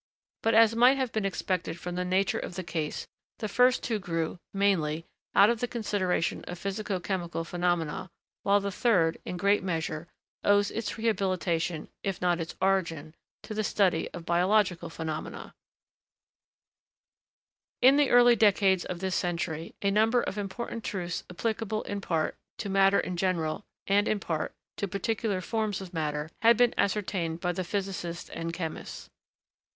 But, as might have been expected from the nature of the case, the first two grew, mainly, out of the consideration of physico chemical phenomena; while the third, in great measure, owes its rehabilitation, if not its origin, to the study of biological phenomena. [Sidenote: (1) Molecular constitution of matter.] In the early decades of this century, a number of important truths applicable, in part, to matter in general, and, in part, to particular forms of matter, had been ascertained by the physicists and chemists.